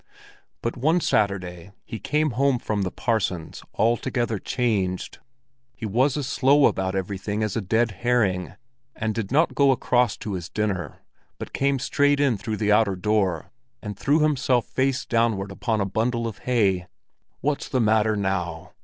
But one Saturday he came home from the parson's altogether changed. He was as slow about everything as a dead herring, and did not go across to his dinner, but came straight in through the outer door, and threw himself face downward upon a bundle of hay. "What's the matter now?"